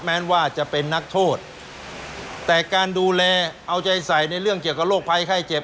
แม้ว่าจะเป็นนักโทษแต่การดูแลเอาใจใส่ในเรื่องเกี่ยวกับโรคภัยไข้เจ็บ